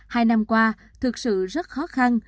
hai năm qua thực sự rất khó khăn